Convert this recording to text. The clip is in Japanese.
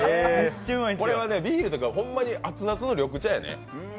これはね、ビールとか、ほんまに熱々の緑茶やね。